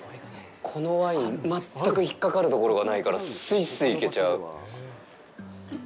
このワイン、全く引っかかるところがないから、スイスイ行けちゃう。